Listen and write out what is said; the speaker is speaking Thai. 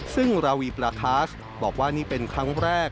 ซึ่งราวีปลาคาสบอกว่านี่เป็นครั้งแรก